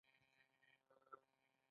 موږ کولای شو په ښه توګه تصور وکړو.